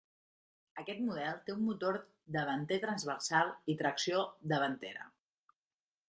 Aquest model té un motor davanter transversal i tracció davantera.